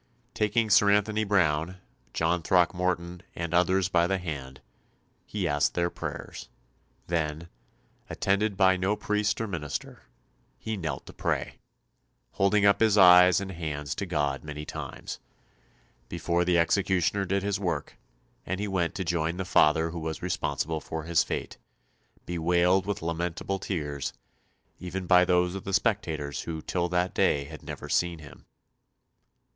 Taking Sir Anthony Browne, John Throckmorton and others by the hand, he asked their prayers; then, attended by no priest or minister, he knelt to pray, "holding up his eyes and hands to God many times," before the executioner did his work and he went to join the father who was responsible for his fate, "bewailed with lamentable tears" even by those of the spectators who till that day had never seen him.